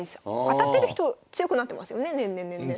あたってる人強くなってますよね年々年々。